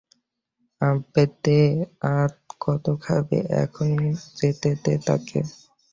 আব্বে দে, আর কতো খাবি এখন যেতে দে তাকে।